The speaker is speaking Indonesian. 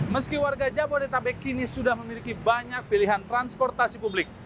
meski warga jabodetabek kini sudah memiliki banyak pilihan transportasi publik